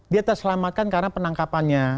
dia terselamatkan karena penangkapannya